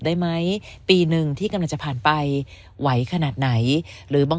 ได้ไหมปีหนึ่งที่กำลังจะผ่านไปไหวขนาดไหนหรือบาง